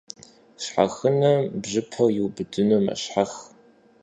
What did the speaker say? Щхьэхынэм бжьыпэр иубыдыну мэщхьэх.